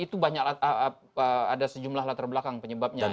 itu banyak ada sejumlah latar belakang penyebabnya